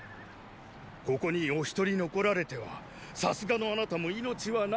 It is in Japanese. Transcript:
ここにお一人残られてはさすがのあなたも命はない。